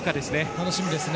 楽しみですね。